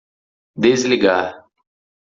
Desligar.